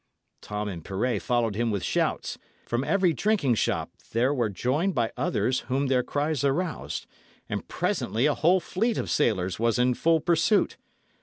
Tom and Pirret followed him with shouts; from every drinking shop they were joined by others whom their cries aroused; and presently a whole fleet of sailors was in full pursuit.